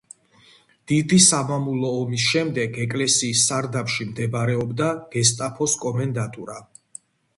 დიდი სამამულო ომის შემდეგ ეკლესიის სარდაფში მდებარეობდა გესტაპოს კომენდატურა.